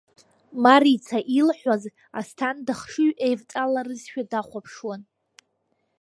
Марица илҳәоз Асҭанда хшыҩ еивҵаларызшәа дахәаԥшуан.